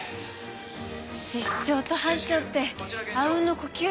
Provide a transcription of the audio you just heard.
・室長と班長ってあうんの呼吸。